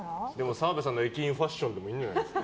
澤部さんの駅員ファッションでいいんじゃないですか。